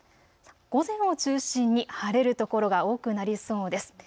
午前を中心に晴れる所が多くなりそうです。